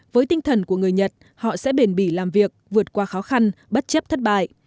với tinh thần của người nhật họ sẽ bền bỉ làm việc vượt qua khó khăn bất chấp thất bại